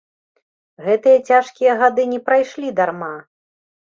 Гэтыя цяжкія гады не прайшлі дарма!